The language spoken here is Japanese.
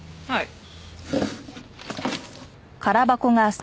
はい。